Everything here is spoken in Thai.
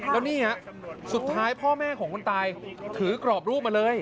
แล้วนี่ฮะสุดท้ายพ่อแม่ของคนตายถือกรอบรูปมาเลย